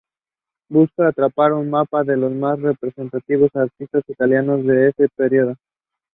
He is nicknamed Nicolas the Levite by Orderic Vitalis.